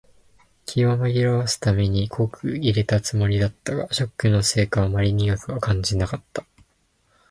気を紛らわすために濃く淹れたつもりだったが、ショックのせいかあまり苦くは感じなかった。